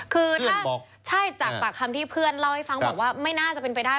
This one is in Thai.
คือถ้าใช่จากปากคำที่เพื่อนเล่าให้ฟังบอกว่าไม่น่าจะเป็นไปได้